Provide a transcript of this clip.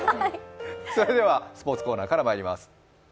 それではスポーツコーナーからまいります。